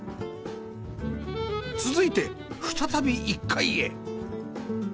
続いて再び１階へ